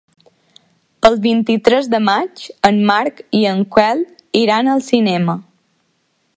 El vint-i-tres de maig en Marc i en Quel iran al cinema.